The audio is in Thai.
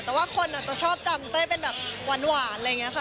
แต่ว่าคนอาจจะชอบจำเต้ยเป็นแบบหวานอะไรอย่างนี้ค่ะ